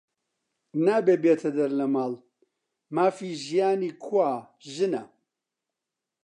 نابێ بێتە دەر لە ماڵ، مافی ژیانی کوا؟ ژنە